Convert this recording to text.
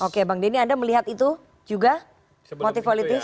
oke bang denny anda melihat itu juga motif politis